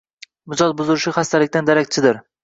Mijoz buzilishi xastalikdan darakchidir.